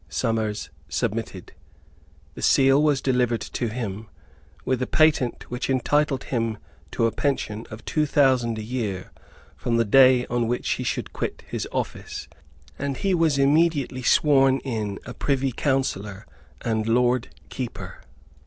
Somers submitted. The seal was delivered to him, with a patent which entitled him to a pension of two thousand a year from the day on which he should quit his office; and he was immediately sworn in a Privy Councillor and Lord Keeper.